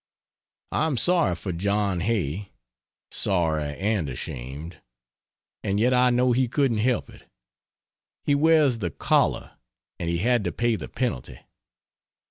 I am sorry for John Hay; sorry and ashamed. And yet I know he couldn't help it. He wears the collar, and he had to pay the penalty.